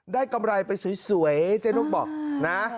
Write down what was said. ได้กำไรไปสวยใจนุ่มบอกนะ